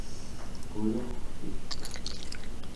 quyurrvik